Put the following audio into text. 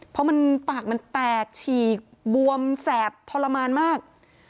เพราะมันปากมันแตกฉีกบวมแสบทรมานมาก